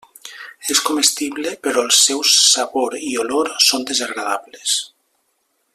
És comestible però els seus sabor i olor són desagradables.